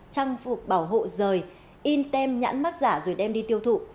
trang phục bảo hộ rời in tem nhãn mắc giả rồi đem đi tiêu thụ